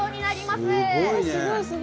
すごいね。